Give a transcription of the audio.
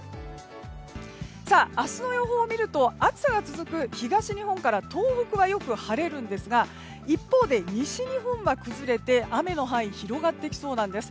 明日の予報を見ると暑さが続く東日本から東北はよく晴れるんですが一方で、西日本は崩れて雨の範囲広がってきそうなんです。